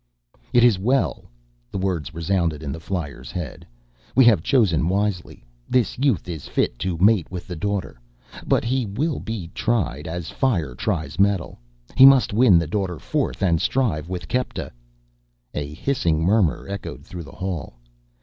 "It is well!" The words resounded in the flyer's head. "We have chosen wisely. This youth is fit to mate with the Daughter. But he will be tried, as fire tries metal. He must win the Daughter forth and strive with Kepta " A hissing murmur echoed through the hall.